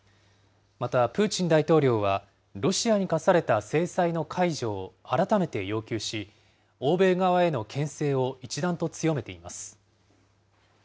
また、プーチン大統領は、ロシアに科された制裁の解除を改めて要求し、欧米側へのけん制を一段と強めています。